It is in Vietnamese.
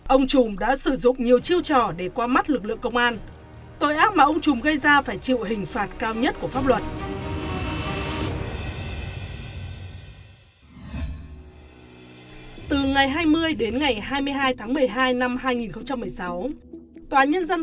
ông trùm đã sử dụng nhiều chiêu trò để qua mắt lực lượng công an tội ác mà ông trùm gây ra phải chịu hình phạt cao nhất của pháp luật